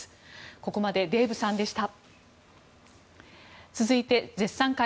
ここまでデーブさんでした。